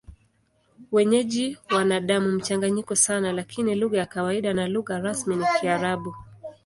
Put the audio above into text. Wenyeji wana damu mchanganyiko sana, lakini lugha ya kawaida na lugha rasmi ni Kiarabu.